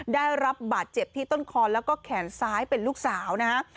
ได้รับบาดเจ็บที่ต้นคอแล้วก็แขนซ้ายเป็นลูกสาวนะฮะ